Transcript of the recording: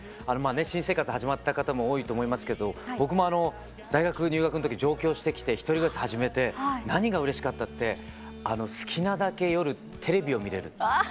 あのまあね新生活始まった方も多いと思いますけど僕も大学入学の時上京してきて１人暮らし始めて何がうれしかったって好きなだけ夜テレビを見れる。